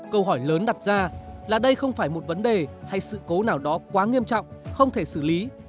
câu hỏi lớn đặt ra là đây không phải một vấn đề hay sự cố nào đó quá nghiêm trọng không thể xử lý